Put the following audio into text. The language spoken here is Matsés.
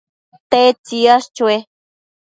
¿tedtsi yash chue